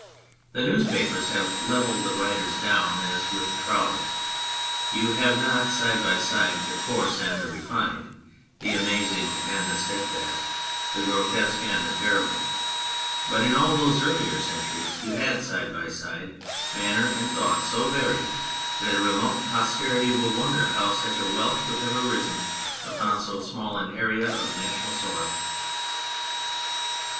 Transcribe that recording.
The newspapers have levelled the writers down as with a trowel ; you have not side by side the coarse and the refined, the amazing and the steadfast, the grotesque and the terrible ; but in all those earlier centuries you had side by side manner and thought so varied that a remote posterity will wonder how such a wealth could have arisen upon so small an area of national soil.